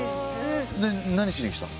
で何しに来たの？